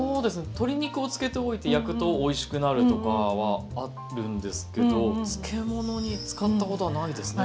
鶏肉を漬けておいて焼くとおいしくなるとかはあるんですけど漬物に使ったことはないですね。